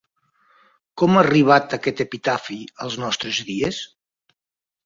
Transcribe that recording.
Com ha arribat aquest epitafi als nostres dies?